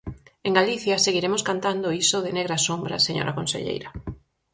En Galicia seguiremos cantando iso de Negra sombra, señora conselleira.